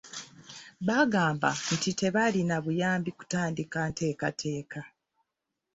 Baagamba nti tebaalina buyambi kutandika nteekateeka.